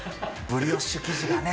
ブリオッシュ生地がね。